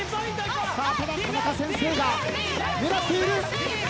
ただ田中先生が狙っている。